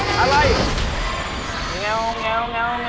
แมวแมวแมวแมว